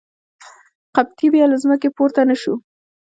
قبطي بیا له ځمکې پورته نه شو.